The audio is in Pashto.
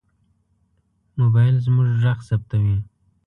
موبایل زموږ غږ ثبتوي.